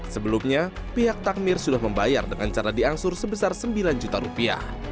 sebelumnya pihak takmir sudah membayar dengan cara diangsur sebesar sembilan juta rupiah